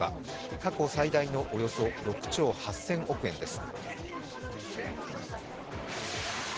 過去最大のおよそ６兆８０００億円です